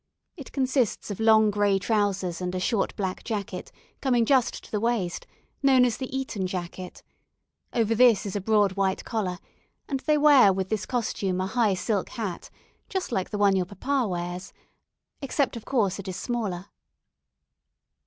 It consists of long gray trousers and a short black jacket, coming just to the waist, known as the "Eton jacket"; over this is a broad white collar, and they wear with this costume a high silk hat, just like the one your papa wears, except of course it is smaller.